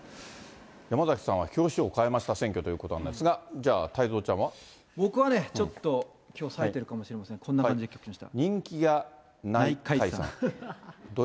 山崎さんは表紙をかえました選挙ということなんですが、じゃあ、僕はね、ちょっときょうさえてるかもしれません。こんな感じで書きました。